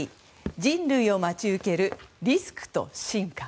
人類を待ち受けるリスクと進化。